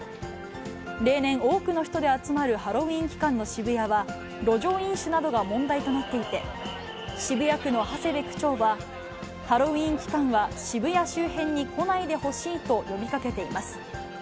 例年、多くの人で集まるハロウィーン期間の渋谷は、路上飲酒などが問題となっていて、渋谷区の長谷部区長は、ハロウィーン期間は、渋谷周辺に来ないでほしいと呼びかけています。